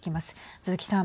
鈴木さん。